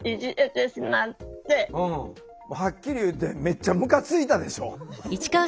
はっきり言ってめっちゃムカついたでしょ？